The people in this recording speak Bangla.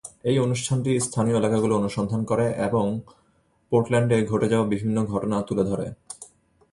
এই অনুষ্ঠানটি স্থানীয় এলাকাগুলো অনুসন্ধান করে এবং পোর্টল্যান্ডে ঘটে যাওয়া বিভিন্ন ঘটনা তুলে ধরে।